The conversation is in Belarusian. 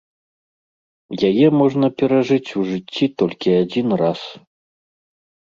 Яе можна перажыць у жыцці толькі адзін раз.